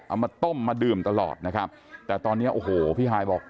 เอามาต้มมาดื่มตลอดนะครับแต่ตอนนี้โอ้โหพี่ฮายบอก